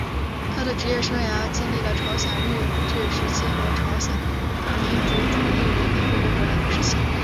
他的职业生涯历经了朝鲜日治时期和朝鲜民主主义人民共和国两个时期。